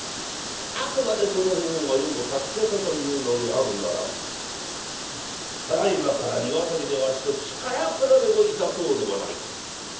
あくまでその方が余を助けたというのであるならばただいまから庭先でわしと力比べをいたそうではないか。